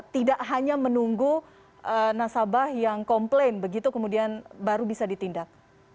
tidak hanya menunggu nasabah yang komplain begitu kemudian baru bisa ditindak